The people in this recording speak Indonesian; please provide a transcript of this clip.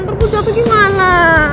terus ujatnya gimana